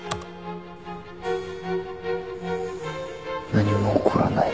何も起こらない。